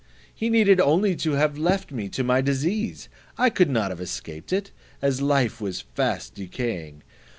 He needed only to have left me to my disease; I could not have escaped it, as life was fast decaying.